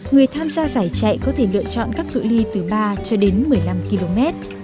người tham gia giải chạy có thể lựa chọn các cự li từ ba cho đến một mươi năm km